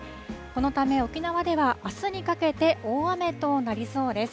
このため沖縄では、あすにかけて大雨となりそうです。